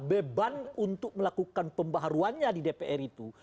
beban untuk melakukan pembaharuannya di dpr itu